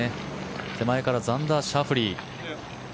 手前からザンダー・シャフリー。